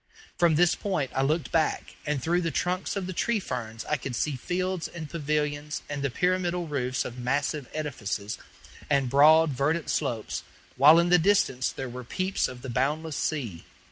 From this point I looked back, and through the trunks of the tree ferns I could see fields and pavilions and the pyramidal roofs of massive edifices, and broad, verdant slopes, while in the distance there were peeps of the boundless sea.